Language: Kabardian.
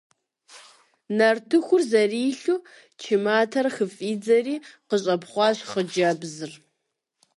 Нартыхур зэрилъу, чы матэр хыфӀидзэри къыщӀэпхъуащ хъыджэбзыр.